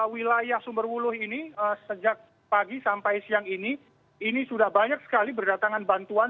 wilayah sumberwuluh ini sejak pagi sampai siang ini ini sudah banyak sekali berdatangan bantuan